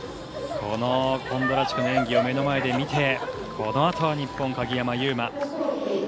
このコンドラチュクの演技を目の前で見てこの後は日本の鍵山優真。